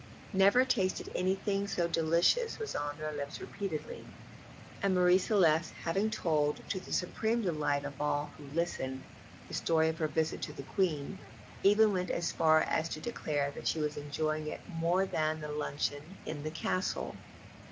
"Never tasted anything so delicious" was on their lips repeatedly; and Marie Celeste having told, to the supreme delight of all who listened, the story of her visit to the Queen, even went so far as to declare that she was enjoying it more than the luncheon in the Castle.